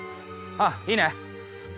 ああいいね？